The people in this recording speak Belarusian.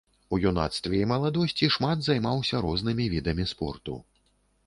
У юнацтве і маладосці шмат займаўся рознымі відамі спорту.